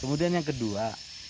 kemudian yang kedua